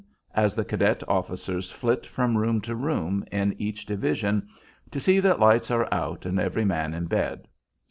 as the cadet officers flit from room to room in each division to see that lights are out and every man in bed.